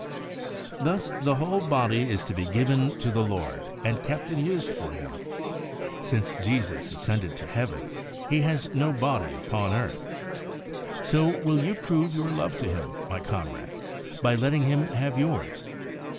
Thus the whole body is to be given to the Lord, and kept and used for Him. Since Jesus ascended to Heaven, He has no body upon earth. So, will you prove your love to Him, my comrade, by letting Him have yours